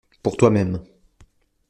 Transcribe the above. Pour toi-même.